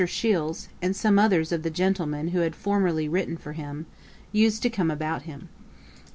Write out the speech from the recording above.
Shiels, and some others of the gentlemen who had formerly written for him, used to come about him.